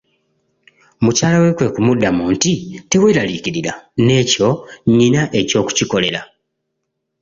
Mukyala we kwe kumuddamu nti, teweeralikiirira n'ekyo nyina eky'okikolera.